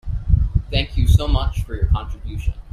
Thank you so much for your contribution.